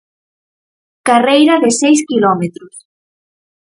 Carreira de seis quilómetros.